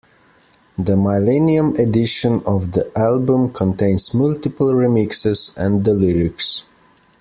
The millennium edition of the album contains multiple remixes and the lyrics.